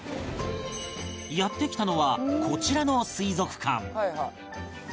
やって来たのはこちらの